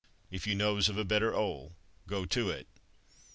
''If you knows of a better 'ole, go to it."